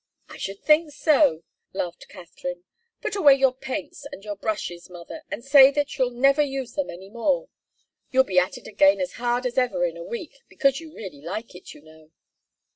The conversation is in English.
"I should think so!" laughed Katharine. "Put away your paints and your brushes, mother, and say that you'll never use them any more. You'll be at it again as hard as ever in a week, because you really like it, you know!"